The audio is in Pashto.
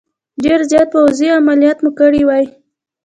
ډېر زیات پوځي عملیات مو کړي وای.